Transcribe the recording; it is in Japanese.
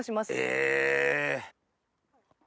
え！